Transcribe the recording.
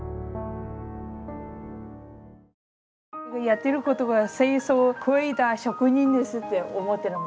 やってることが清掃を超えた職人ですって思ってる。